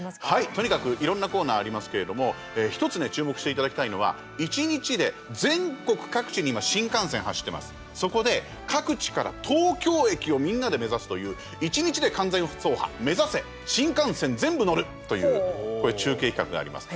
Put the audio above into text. とにかく、いろんなコーナーありますけれども１つ、注目していただきたいのは一日で、全国各地に今新幹線走ってます、そこで各地から東京駅をみんなで目指すという１日で完全走破目指せ「新幹線ぜんぶ乗る」という中継企画があります。